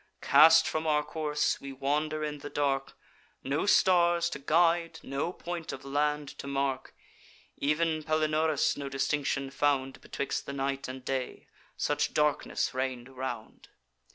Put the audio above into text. Cast from our course, we wander in the dark. No stars to guide, no point of land to mark. Ev'n Palinurus no distinction found Betwixt the night and day; such darkness reign'd around.